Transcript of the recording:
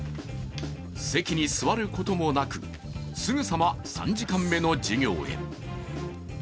席に座ることもなく、すぐさま３時間目の授業へ。